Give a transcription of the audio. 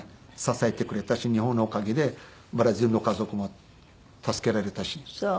支えてくれたし日本のおかげでブラジルの家族も助けられたし。